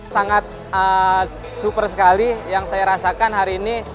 sangat super sekali yang saya rasakan hari ini